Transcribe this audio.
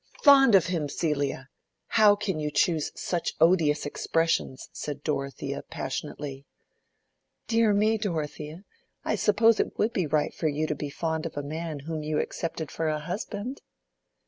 "Fond of him, Celia! How can you choose such odious expressions?" said Dorothea, passionately. "Dear me, Dorothea, I suppose it would be right for you to be fond of a man whom you accepted for a husband."